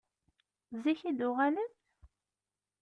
Zik i d-tuɣalem?